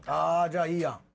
じゃあいいやん。